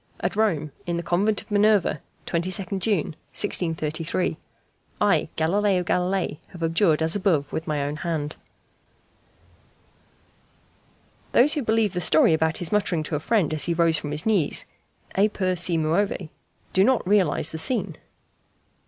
At Rome, in the Convent of Minerva, 22nd June, 1633. I, Galileo Galilei, have abjured as above with my own hand." Those who believe the story about his muttering to a friend, as he rose from his knees, "e pur si muove," do not realize the scene.